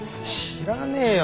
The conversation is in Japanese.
知らねえよ